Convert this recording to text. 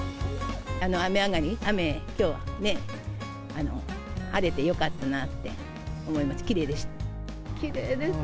雨上がり、雨、きょうね、晴れてよかったなって思います。